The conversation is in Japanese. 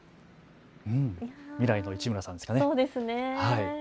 未来の市村さんですかね。